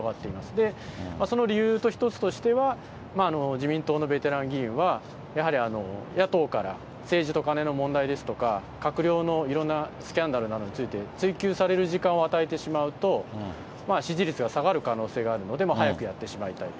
で、その理由の一つとしては、自民党のベテラン議員は、やはり野党から政治とカネの問題ですとか、閣僚のいろんなスキャンダルなどについて追及される時間を与えてしまうと、支持率が下がる可能性があるので、早くやってしまいたい。